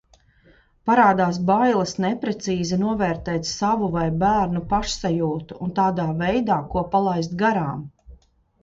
Parādās bailes neprecīzi novērtēt savu vai bērnu pašsajūtu, un tādā veidā ko palaist garām.